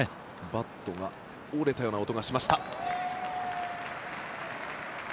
バットが折れたような音がしました。